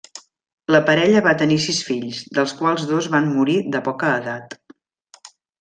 La parella va tenir sis fills, dels quals dos van morir de poca edat.